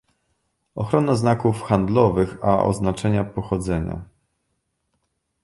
ochrona znaków handlowych a oznaczenia pochodzenia